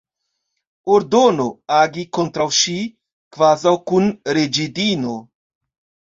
Ordono, agi kontraŭ ŝi, kvazaŭ kun reĝidino.